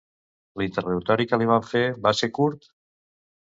L'interrogatori que li van fer, va ser curt?